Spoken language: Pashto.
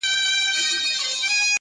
که تاته دومره انتظار وي دابه ماکړی وي